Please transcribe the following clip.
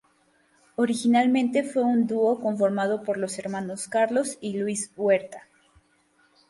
Originalmente fue un dúo conformado por los hermanos Carlos y Luis Huerta.